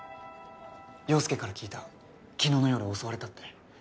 陽佑から聞いた昨日の夜襲われたって。